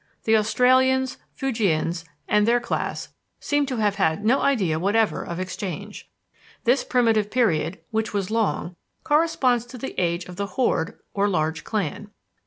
The Australians, Fuegians, and their class seem to have had no idea whatever of exchange. This primitive period, which was long, corresponds to the age of the horde or large clan.